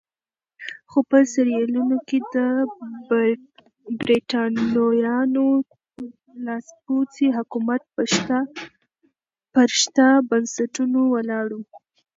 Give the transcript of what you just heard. خو په سیریلیون کې د برېټانویانو لاسپوڅی حکومت پر شته بنسټونو ولاړ وو.